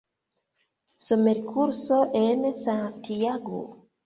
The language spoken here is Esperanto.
Somerkurso en Santiago.